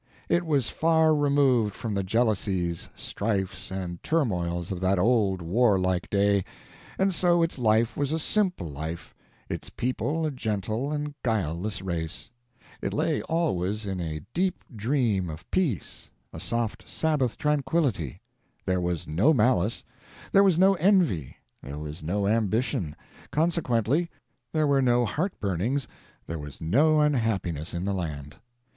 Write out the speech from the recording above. It was far removed from the jealousies, strifes, and turmoils of that old warlike day, and so its life was a simple life, its people a gentle and guileless race; it lay always in a deep dream of peace, a soft Sabbath tranquillity; there was no malice, there was no envy, there was no ambition, consequently there were no heart burnings, there was no unhappiness in the land.